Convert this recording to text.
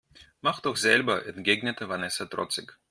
Mach doch selber, entgegnete Vanessa trotzig.